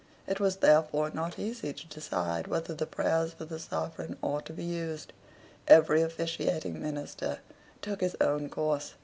It was therefore not easy to decide whether the prayers for the sovereign ought to be used. Every officiating minister took his own course.